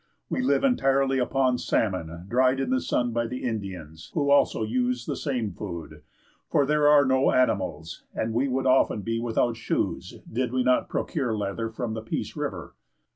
We live entirely upon salmon dried in the sun by the Indians, who also use the same food, for there are no animals, and we would often be without shoes did we not procure leather from the Peace River.